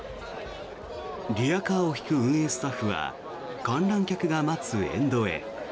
リヤカーを引く運営スタッフは観覧客が待つ沿道へ。